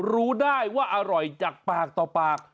รู้ได้ว่าอร่อยจากปากต่อปาก